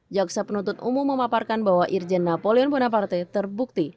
jaksa penuntut umum memaparkan bahwa irjen napoleon bonaparte terbukti